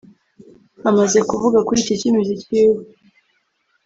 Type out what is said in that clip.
Amaze kuvuga kuri iki cy’imiziki y’ubu